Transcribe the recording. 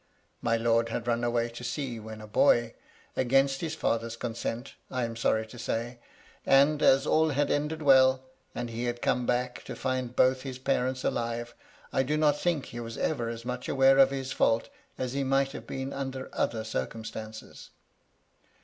(My lord had run away to sea, when a boy, against his father s consent, I am sorry to say ; and, as all had ended well, and he had come back to find both his parents alive, I do not think he was ever as much aware of his fault as he might have been under other circumstances.)